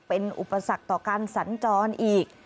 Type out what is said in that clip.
เป็นอุปสรรคต่อการสัญจรอีก